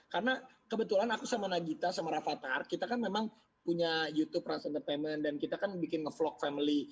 karena kebetulan aku sama nagita sama rafathar kita kan memang punya youtube rans entertainment dan kita kan bikin ngevlog family